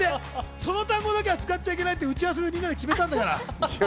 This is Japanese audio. その単語だけは使っちゃいけないって打ち合わせでみんなで決めたんだから。